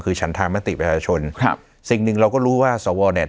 คือฉันธรรมติประชาชนครับสิ่งหนึ่งเราก็รู้ว่าสวเนี่ย